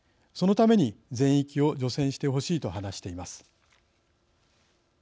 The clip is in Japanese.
そのために全域を除染してほしい」と話しています。